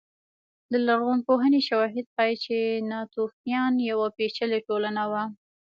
د لرغونپوهنې شواهد ښيي چې ناتوفیان یوه پېچلې ټولنه وه